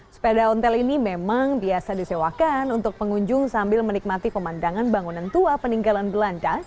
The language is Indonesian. sepeda ontel ini memang biasa disewakan untuk pengunjung sambil menikmati pemandangan bangunan tua peninggalan belanda